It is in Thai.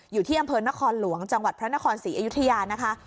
อยู่ที่อำเภอนครหลวงจังหวัดพระนครศรีอยุธยานะคะ